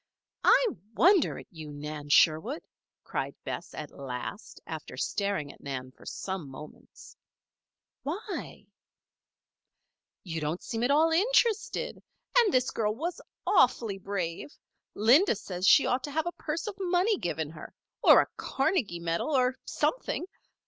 "I wonder at you, Nan Sherwood!" cried Bess, at last, after staring at Nan for some moments. "Why?" "You don't seem at all interested. And this girl was awfully brave. Linda says she ought to have a purse of money given her or a Carnegie medal or something.